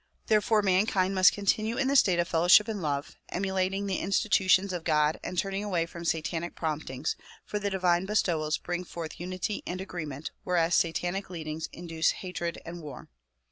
Therefore mankind must continue in the state of fellowship and love, emulating the institutions of God and turning away from satanic promptings, for the divine bestowals bring forth unity and agreement whereas satanic leadings induce hatred and war.